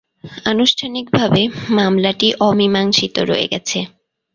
আনুষ্ঠানিকভাবে, মামলাটি অমীমাংসিত রয়ে গেছে।